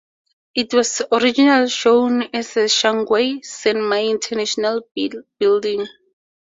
It was originally known as the Shanghai Sen Mao International Building.